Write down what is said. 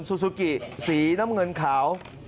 ซูซูกิสีน้ำเงินขาว